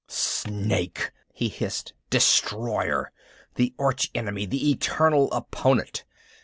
"Snake!" he hissed. "Destroyer! The arch enemy, the eternal opponent!